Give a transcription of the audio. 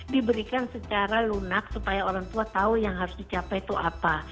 diberikan secara lunak supaya orang tua tahu yang harus dicapai itu apa